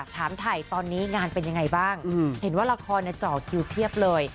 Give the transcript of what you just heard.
ถามถ่ายตอนนี้งานเป็นยังไงบ้างเห็นว่าละครเจาะคิวเพียบเลย